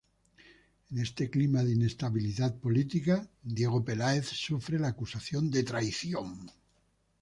En este clima de inestabilidad política, Diego Peláez sufre la acusación de traición.